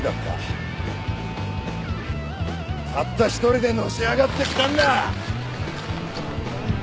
たった一人でのし上がってきたんだ！